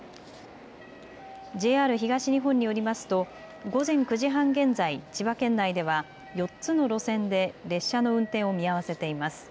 ＪＲ東日本によりますと午前９時半現在、千葉県内では４つの路線で列車の運転を見合わせています。